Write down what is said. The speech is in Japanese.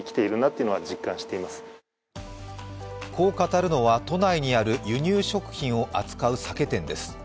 こう語るのは都内にある輸入食品を扱う酒店です。